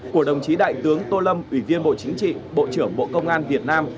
của đồng chí đại tướng tô lâm ủy viên bộ chính trị bộ trưởng bộ công an việt nam